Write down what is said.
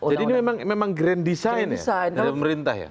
jadi ini memang grand design ya dari pemerintah ya